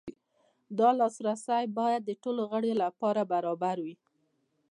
دا لاسرسی باید د ټولو غړو لپاره برابر وي.